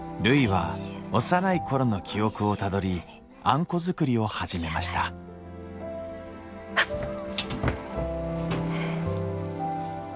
るいは幼い頃の記憶をたどりあんこ作りを始めましたはっ！